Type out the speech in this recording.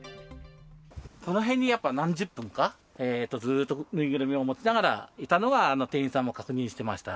この辺にやっぱ何十分か、ずっと縫いぐるみを持ちながらいたのは、店員さんも確認してました。